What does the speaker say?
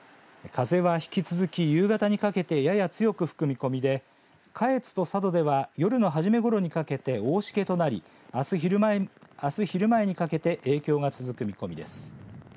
風は引き続き、夕方にかけてやや強く吹く見込みで下越と佐渡では夜の初めごろにかけて大しけとなりあす昼前にかけて影響が続く見込みです。